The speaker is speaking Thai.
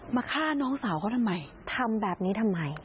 มาฆ่าน้องสาวเขาทำไมทำแบบนี้ทำไม